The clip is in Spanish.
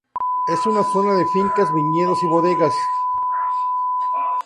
Es una zona de fincas, viñedos y bodegas.